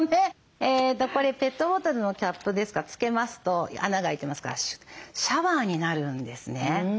これペットボトルのキャップですが付けますと穴が開いてますからシャワーになるんですね。